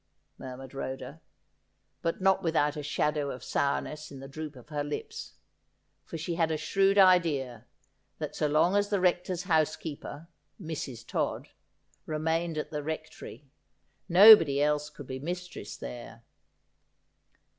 murmured Rhoda, but not without a shadow of sourness in the droop of her lips, for she had a shrewd idea that so long as the Rector's housekeeper, Mrs. Todd, remained at the Rectory, nobody else could be mistress there.